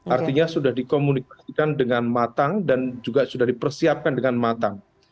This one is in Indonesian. artinya sudah dikomunikasikan dengan matang dan juga sudah dipersiapkan dengan matang